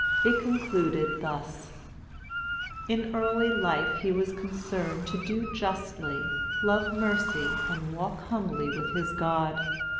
It concluded thus: "In early life, he was concerned 'to do justly, love mercy, and walk humbly with his God.'